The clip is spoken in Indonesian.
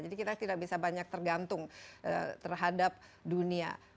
kita tidak bisa banyak tergantung terhadap dunia